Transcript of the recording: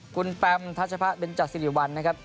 คุณแปมทัชพะเบนจัดสิริวัลนะครับ